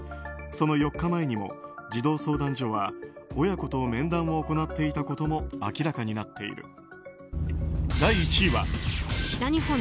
その４日前にも児童相談所は親子と面談を行っていたことも明らかになっている。